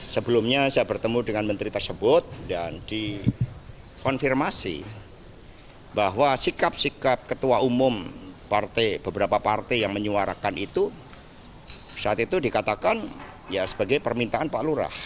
sebelumnya saya bertemu dengan menteri tersebut dan dikonfirmasi bahwa sikap sikap ketua umum partai beberapa partai yang menyuarakan itu saat itu dikatakan ya sebagai permintaan pak lurah